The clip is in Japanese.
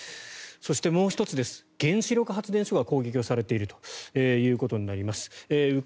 そしてもう１つ、原子力発電所が攻撃されているということになります。